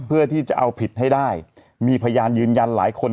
เพื่อที่จะเอาผิดให้ได้มีพยานยืนยันหลายคน